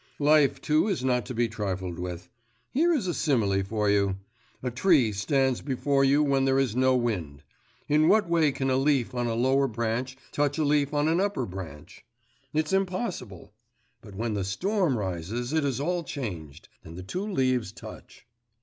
Life too is not to be trifled with. Here is a simile for you; a tree stands before you when there is no wind; in what way can a leaf on a lower branch touch a leaf on an upper branch? It's impossible. But when the storm rises it is all changed ... and the two leaves touch.